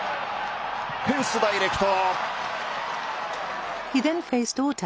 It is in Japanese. フェンスダイレクト。